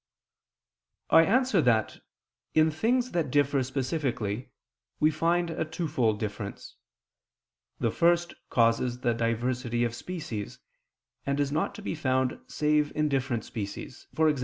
I answer that, In things that differ specifically we find a twofold difference: the first causes the diversity of species, and is not to be found save in different species, e.g.